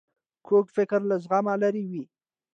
کوږ فکر له زغم لیرې وي